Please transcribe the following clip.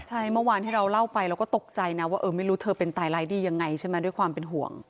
ใช่เมื่อวานที่เราเล่าไปเราก็ตกใจนะว่าเออไม่รู้เธอเป็นตายร้ายดียังไงใช่ไหมด้วยความเป็นห่วง